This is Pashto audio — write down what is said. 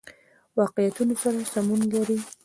واقعیتونو سره سمون لري.